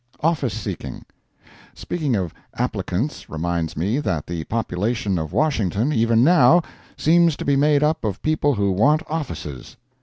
Office Seeking. Speaking of applicants reminds me that the population of Washington, even now, seems to be made up of people who want offices.